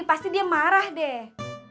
pasti dia marah deh